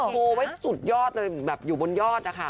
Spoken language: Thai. โชว์ไว้สุดยอดเลยแบบอยู่บนยอดนะคะ